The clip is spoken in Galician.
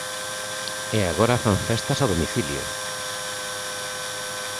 E agora fan festas a domicilio.